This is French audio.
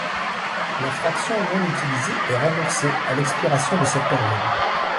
La fraction non utilisée est remboursée à l’expiration de cette période.